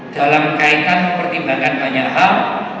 dalam kaitan pertimbangan penyelam